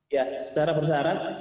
ya secara bersyarat